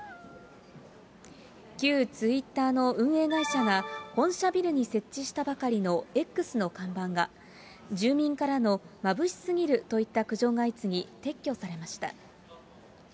旧ツイッターの運営会社が、本社ビルに設置したばかりのＸの看板が、住民からのまぶしすぎるといった苦情が相次ぎ、撤去されました。